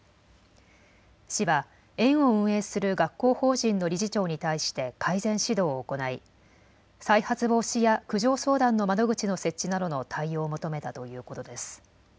市は園を運営する学校法人の理事長に対して改善指導を行い再発防止や苦情相談の窓口の設置などの対応を求めたということです。